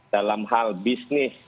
dalam hal bisnis